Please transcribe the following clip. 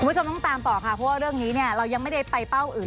คุณผู้ชมต้องตามต่อค่ะเพราะว่าเรื่องนี้เนี่ยเรายังไม่ได้ไปเป้าอื่น